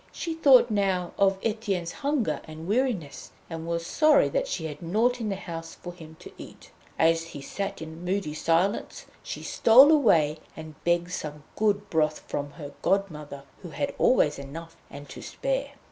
She thought now of Etienne's hunger and weariness, and was sorry that she had nought in the house for him to eat. And as he sat in moody silence she stole away, and begged some good broth from her godmother, who had always enough and to spare.